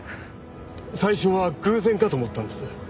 最初は偶然かと思ったんです。